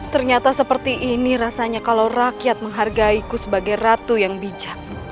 ternyata seperti ini rasanya kalau rakyat menghargaiku sebagai ratu yang bijak